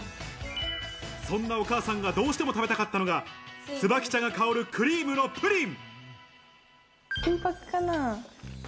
そんなお母さんがどうしても食べたかったのが、椿茶が香るクリームのプリン。